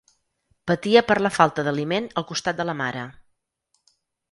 Patia per la falta d'aliment al costat de la mare.